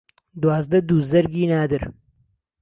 دوازدە دوو زەرگی نادر